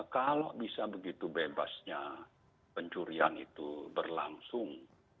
kalau bisa begitu bebasnya pencurian itu berlangsung